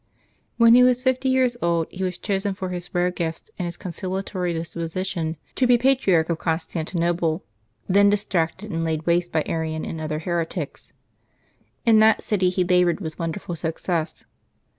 ^Yhen he was fifty years old, he was chosen, for his rare gifts and his conciliatory disposition, to be Patri arch of Constantinople, then distracted and laid waste by Arian and other heretics. In that city he labored with wonderful success.